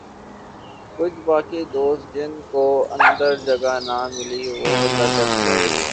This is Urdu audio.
کچھ باقی دوست جن کو اندر جگہ نہ ملی وہ لٹک گئے ۔